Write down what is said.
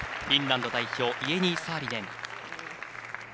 フィンランド代表イェニー・サーリネン。